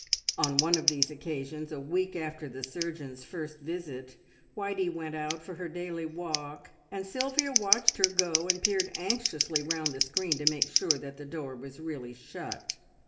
On one of these occasions, a week after the surgeon's first visit, Whitey went out for, her daily walk, and Sylvia watched her go and peered anxiously round the screen to make sure that the door was really shut.